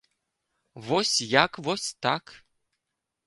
Вось як, вось так!